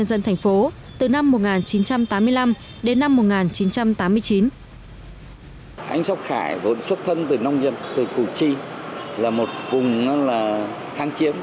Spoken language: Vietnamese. nguyên thủ tướng phan văn khải vốn xuất thân từ nông dân từ củ chi là một vùng kháng chiến